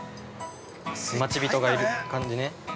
待ち人がいる感じね。